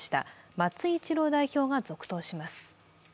松井一郎代表が続投します。